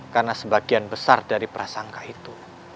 karena sebagian besar dari prasangka itu